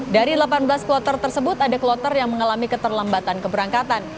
dari delapan belas kloter tersebut ada kloter yang mengalami keterlambatan keberangkatan